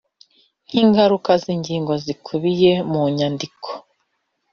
nk ingaruka y ingingo zikubiye munyandiko